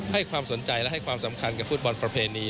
ให้ความสนใจและให้ความสำคัญกับฟุตบอลประเพณี